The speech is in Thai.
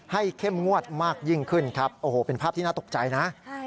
เข้มงวดมากยิ่งขึ้นครับโอ้โหเป็นภาพที่น่าตกใจนะ